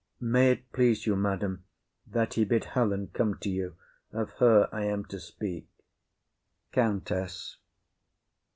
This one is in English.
May it please you, madam, that he bid Helen come to you; of her I am to speak. COUNTESS.